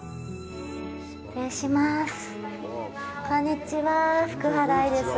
失礼します。